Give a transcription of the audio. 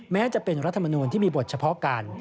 แม้จะเป็นรัฐมนูลที่มีบทเฉพาะการ